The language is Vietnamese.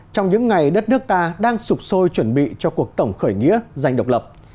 trong những ngày đất nước ta đang sụp sôi chuẩn bị cho cuộc tổng khởi nghĩa giành độc lập